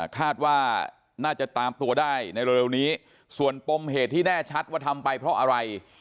คาดว่าน่าจะตามตัวได้ในเร็วนี้ส่วนปมเหตุที่แน่ชัดว่าทำไปเพราะอะไร